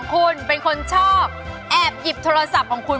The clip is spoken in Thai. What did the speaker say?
แล้วคุณพูดกับอันนี้ก็ไม่รู้นะผมว่ามันความเป็นส่วนตัวซึ่งกัน